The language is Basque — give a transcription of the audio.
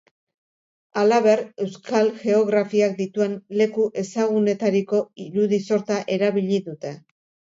Halaber, euskal geografiak dituen leku ezagunetariko irudi sorta erabili dute.